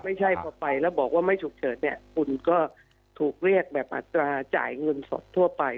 ไม่ใช่พอไปแล้วบอกว่าไม่ฉุกเฉินเนี่ยคุณก็ถูกเรียกแบบอัตราจ่ายเงินสดทั่วไป